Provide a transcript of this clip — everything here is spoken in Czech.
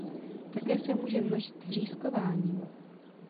Také se může množit řízkováním.